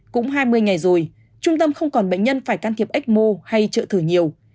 cũng hai mươi ngày rồi trung tâm không còn bệnh nhân phải can thiệp ecmo hay trợ thử nhiều